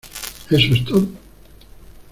¿ eso es todo?